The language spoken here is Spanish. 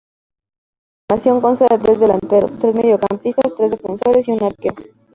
La formación consta de tres delanteros, tres mediocampistas, tres defensores y un arquero.